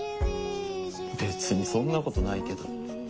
別にそんなことないけど。